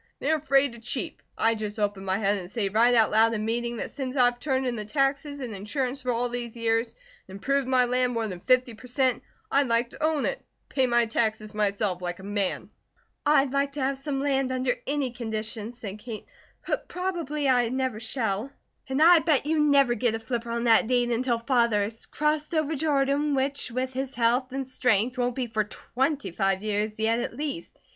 They are afraid to cheep. I just open my head and say right out loud in meeting that since I've turned in the taxes and insurance for all these years and improved my land more than fifty per cent., I'd like to own it, and pay my taxes myself, like a man." "I'd like to have some land under any conditions," said Kate, "but probably I never shall. And I bet you never get a flipper on that deed until Father has crossed over Jordan, which with his health and strength won't be for twenty five years yet at least.